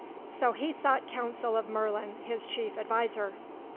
So he sought counsel of Merlin, his chief adviser.